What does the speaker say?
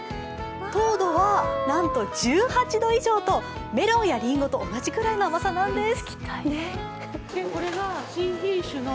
糖度はなんと１８度以上とメロンやりんごと同じくらいの甘さなんです。